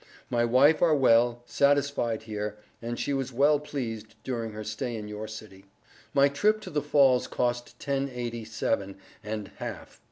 My wife are well Satisfied here, and she was well Pleased during her stay in your city. My Trip to the falls cost Ten Eighty Seven and half.